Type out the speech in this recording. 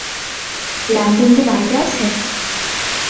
Landon কি বাড়িতে আছে?